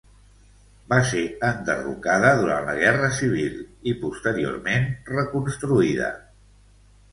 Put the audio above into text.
Va ser enderrocada durant la guerra civil i posteriorment reconstruïda.